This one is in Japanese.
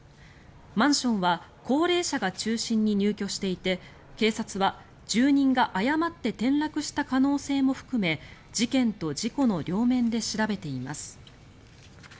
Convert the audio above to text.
マンションは高齢者が中心に入居していて警察は、住人が誤って転落した可能性も含め事件と事故の両面で調べています。